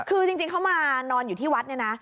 คือจริงเขามานอนอยู่ที่วัดเนี่ยนะ